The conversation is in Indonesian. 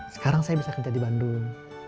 sekarang saya bisa kerja di bandung